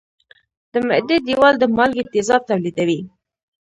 د معدې دېوال د مالګي تیزاب تولیدوي.